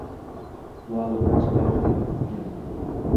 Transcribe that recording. muallimdan shapaloq yeganman.